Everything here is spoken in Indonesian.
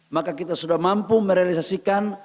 maka kita sudah mampu merealisasikan